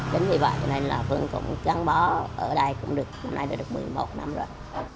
chính vì vậy nên là phương cũng gắn bó ở đây cũng được năm nay đã được một mươi một năm rồi